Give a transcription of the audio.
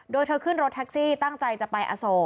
โดยเธอขึ้นรถแท็กซี่ตั้งใจจะไปอโศ